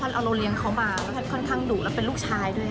เพราะเราเลี้ยงเขามาแพทย์ค่อนข้างดุและเป็นลูกชายด้วยค่ะ